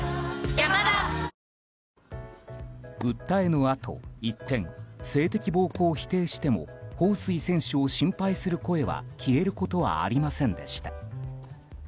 訴えのあと一転性的暴行を否定してもホウ・スイ選手を心配する声は消えることはありませんでした。